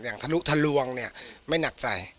ทะลุทะลวงเนี่ยไม่หนักใจ